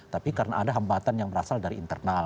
tapi karena ada hambatan yang berasal dari internal